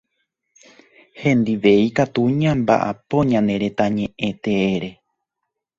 Hendive ikatu ñambaʼapo ñane retã ñeʼẽ teére.